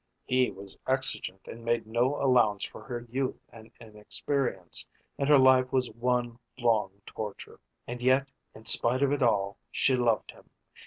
He was exigent and made no allowance for her youth and inexperience, and her life was one long torture. And yet in spite of it all she loved him.